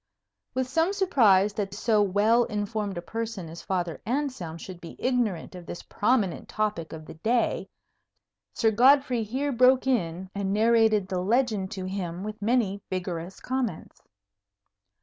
With some surprise that so well informed a person as Father Anselm should be ignorant of this prominent topic of the day, Sir Godfrey here broke in and narrated the legend to him with many vigourous comments.